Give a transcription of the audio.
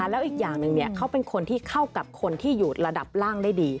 แล้วอีกอย่างหนึ่งเขาเป็นคนที่เข้ากับคนที่อยู่ระดับล่างได้ดี